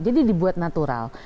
jadi dibuat natural